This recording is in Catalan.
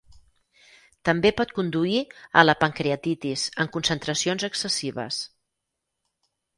També pot conduir a la pancreatitis en concentracions excessives.